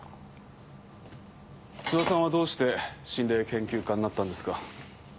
諏訪さんはどうして心霊研究家になったんですか？